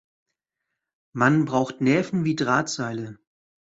Man braucht Nerven wie Drahtseile.